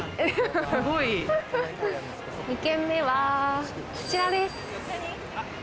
２軒目は、こちらです。